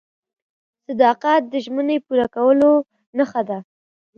• صداقت د ژمنې پوره کولو نښه ده.